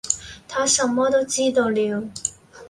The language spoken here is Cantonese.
他什麼都知道了